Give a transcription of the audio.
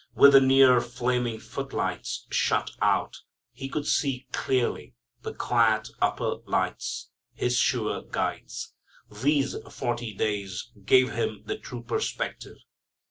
With the near flaming footlights shut out, He could see clearly the quiet upper lights, His sure guides. These forty days gave Him the true perspective.